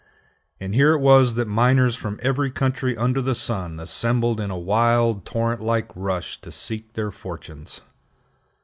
And here it was that miners from every country under the sun assembled in a wild, torrent like rush to seek their fortunes.